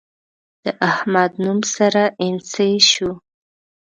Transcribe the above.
د احمد نوم سره اينڅۍ شو.